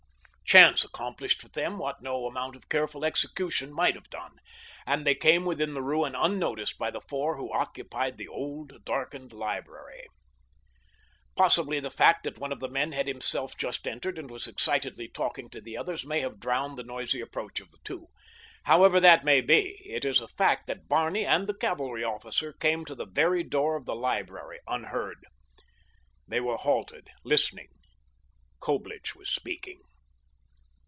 Chance accomplished for them what no amount of careful execution might have done, and they came within the ruin unnoticed by the four who occupied the old, darkened library. Possibly the fact that one of the men had himself just entered and was excitedly talking to the others may have drowned the noisy approach of the two. However that may be, it is a fact that Barney and the cavalry officer came to the very door of the library unheard. There they halted, listening. Coblich was speaking.